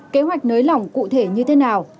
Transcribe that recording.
kế hoạch nới lỏng cụ thể như thế nào